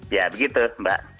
ya begitu mbak